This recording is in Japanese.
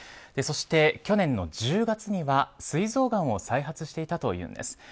そして去年の１０月にはすい臓がんを再発していたというんです。